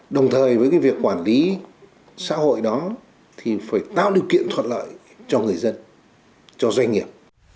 đồng thời với cái việc quản lý xã hội đó thì phải tạo điều kiện thuận lợi cho người dân cho doanh nghiệp